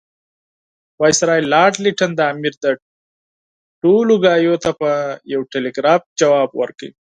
وایسرا لارډ لیټن د امیر دې ټولو خبرو ته په یو ټلګراف ځواب ورکړ.